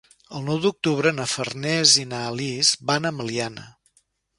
El nou d'octubre na Farners i na Lis van a Meliana.